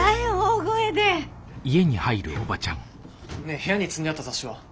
ねえ部屋に積んであった雑誌は？